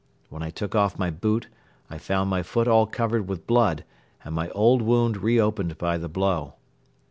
When I took off my boot, I found my foot all covered with blood and my old wound re opened by the blow.